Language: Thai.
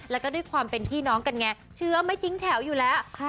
แล้วก็ด้วยความเป็นพี่น้องกันไงเชื้อไม่ทิ้งแถวอยู่แล้ว